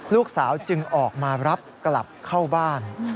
ลูกสาวจึงออกมารับกลับเข้าบ้าน